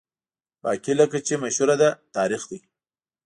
باقي لکه چې مشهوره ده، تاریخ دی.